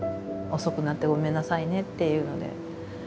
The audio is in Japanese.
「遅くなってごめんなさいね」っていうので。